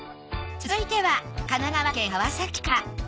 続いては神奈川県川崎市から。